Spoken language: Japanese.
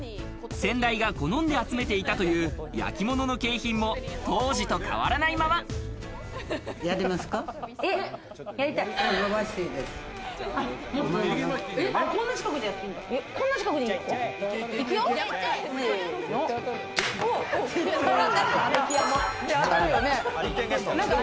先代が好んで集めていたという焼きものの景品も当時と変わらないやりますか？